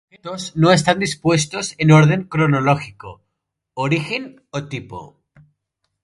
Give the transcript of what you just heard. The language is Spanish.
Los objetos no están dispuestos en orden cronológico, origen o tipo.